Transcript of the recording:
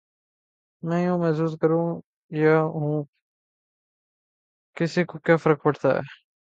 میں یوں محسوس کروں یا یوں، کسی کو کیا فرق پڑتا ہے؟